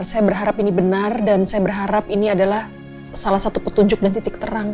saya berharap ini benar dan saya berharap ini adalah salah satu petunjuk dan titik terang